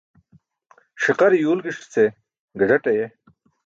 Ṣiqare yuwlgiṣ ce gazaṭ aye.